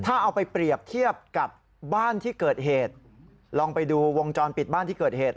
ถ้าเอาไปเปรียบเทียบกับบ้านที่เกิดเหตุลองไปดูวงจรปิดบ้านที่เกิดเหตุ